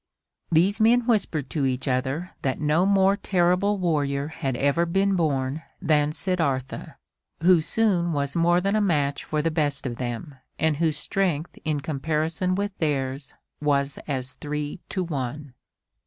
These men whispered to each other that no more terrible warrior had ever been born than Siddartha, who soon was more than a match for the best of them and whose strength in comparison with theirs was as three to one.